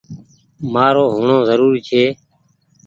مآر هوڻو زوري ڇي۔